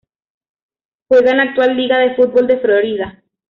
Juega en la actual Liga de Fútbol de Florida.